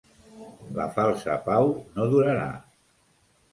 La falsa pau no durarà.